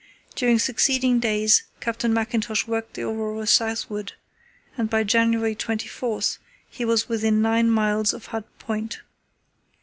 During succeeding days Captain Mackintosh worked the Aurora southward, and by January 24 he was within nine miles of Hut Point.